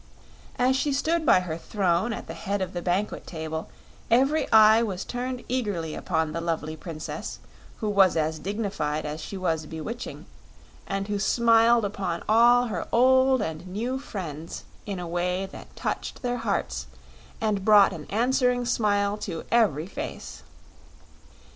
As she stood by her throne at the head of the banquet table every eye was turned eagerly upon the lovely Princess, who was as dignified as she was bewitching, and who smiled upon all her old and new friends in a way that touched their hearts and brought an answering smile to every face.